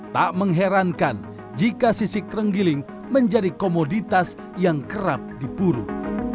tak mengherankan jika sisik renggiling menjadi komoditas yang kerap dipuruk